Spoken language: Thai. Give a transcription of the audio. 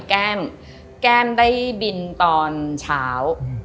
แก้มได้บินตอนเช้า